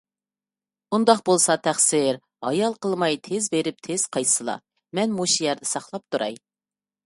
ئۇنداق بولسا تەقسىر، ھايال قىلماي تېز بېرىپ تېز قايتسىلا! مەن مۇشۇ يەردە ساقلاپ تۇراي.